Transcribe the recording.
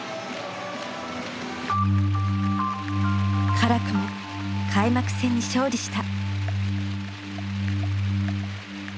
辛くも開幕戦に勝利した。